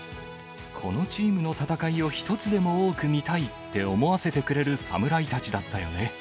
このチームの戦いを１つでも多く見たい！って思わせてくれる侍たちだったよね。